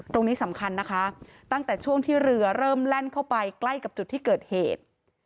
ตรงนี้สำคัญนะคะตั้งแต่ช่วงที่เรือเริ่มแล่นเข้าไปใกล้กับจุดที่เกิดเหตุ